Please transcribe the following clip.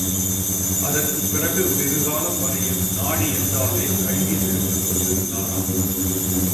அதற்குப் பிறகு வெகுகாலம் வரையில் தேசம் என்றாலே கல்கி வெறுப்புக் கொண்டிருந்தாராம்.